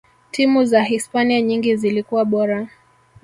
timu za hispania nyingi zilikuwa bora